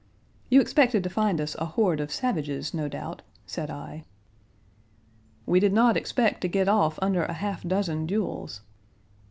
"You expected to find us a horde of savages, no doubt," said I. "We did not expect to get off under a half dozen duels."